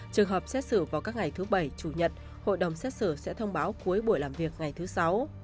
trường hợp xét xử vào các ngày thứ bảy chủ nhật hội đồng xét xử sẽ thông báo cuối buổi làm việc ngày thứ sáu